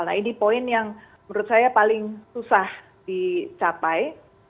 nah ini poin yang menurut saya paling susah dicapai